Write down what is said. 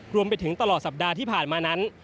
รวมไปถึงตลอดสัปดาห์ที่ผ่านมานั้น